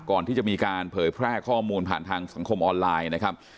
ก่อนที่จะมีการเผยแพร่ข้อมูลผ่านทางสังคมออนไลน์นะครับ